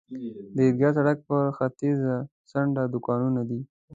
د عیدګاه سړک پر ختیځه څنډه دوکانونه دي.